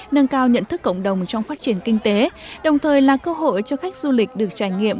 nâng cao nhận thức cộng đồng trong phát triển kinh tế đồng thời là cơ hội cho khách du lịch được trải nghiệm